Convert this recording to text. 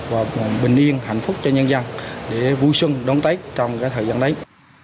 và bình yên hạnh phúc cho nhân dân để vui xuân đón tết trong thời gian đấy